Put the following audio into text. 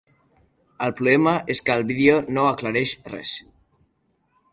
El problema és que el vídeo no aclareix res.